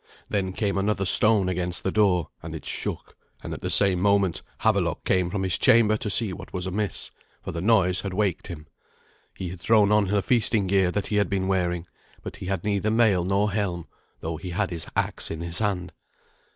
Then came another stone against the door, and it shook; and at the same moment Havelok came from his chamber to see what was amiss, for the noise had waked him. He had thrown on the feasting gear that he had been wearing; but he had neither mail nor helm, though he had his axe in his hand.